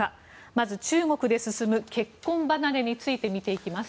まずは、中国で進む結婚離れについて見ていきます。